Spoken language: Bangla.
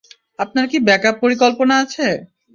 আপনার কি ব্যাক-আপ পরিকল্পনা আছে?